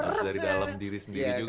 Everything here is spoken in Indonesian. harus dari dalam diri sendiri juga mas ya